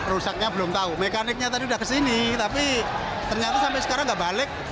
rusaknya belum tahu mekaniknya tadi sudah kesini tapi ternyata sampai sekarang nggak balik